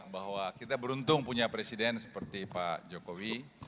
bahwa kita beruntung punya presiden seperti pak jokowi